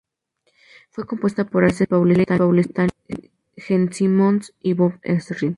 Fue compuesta por Ace Frehley, Paul Stanley, Gene Simmons y Bob Ezrin.